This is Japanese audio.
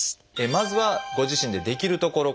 まずはご自身でできるところから。